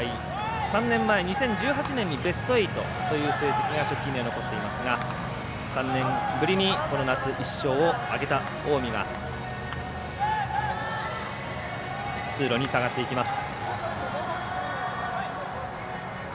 ３年前、２０１８年にベスト８という成績が直近では残っていますが３年ぶりにこの夏１勝を挙げた近江は通路に下がっていきます。